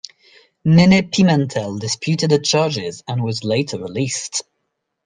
Nene Pimentel disputed the charges and was later released.